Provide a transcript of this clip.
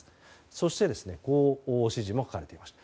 そして、こういった指示も書かれていました。